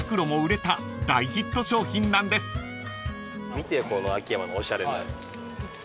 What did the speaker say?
見てよこの秋山のおしゃれな。